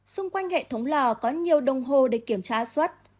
xung quanh hệ thống lò có nhiều đồng hồ để kiểm tra xuất